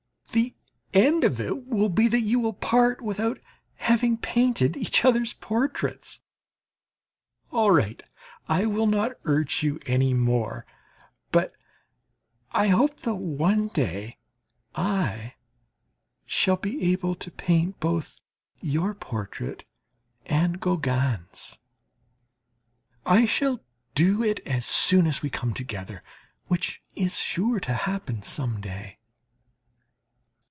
The end of it will be that you will part without having painted each other's portraits. All right, I will not urge you any more. But I hope that one day I shall be able to paint both your portrait and Gauguin's. I shall do it as soon as we all come together, which is sure to happen some day.